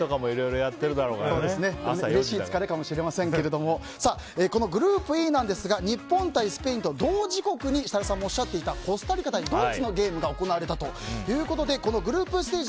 うれしい疲れかもしれませんがこのグループＥなんですが日本対スペインと同時刻に設楽さんもおっしゃっていたコスタリカ対ドイツのゲームが行われたということでグループステージ